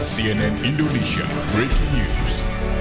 cnn indonesia breaking news